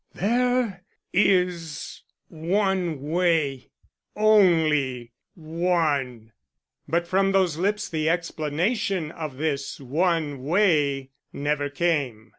There is one way only one " But from those lips the explanation of this one way never came.